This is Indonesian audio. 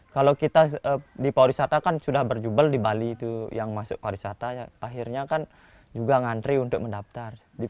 kalau kita di pariwisata kan sudah berjubel di bali itu yang masuk pariwisata akhirnya kan juga ngantri untuk mendaftar